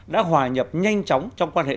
đã hòa nhập nhanh chóng trong quan hệ